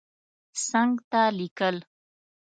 څنګ ته لیکل